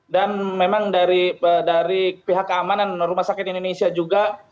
dan memang dari pihak keamanan rumah sakit indonesia juga